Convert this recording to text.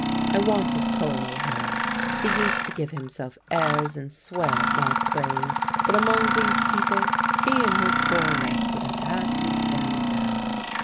I wanted poor O'Hara; he used to give himself airs and swear at my playing, but among these people he and his cornet would have had to stand down.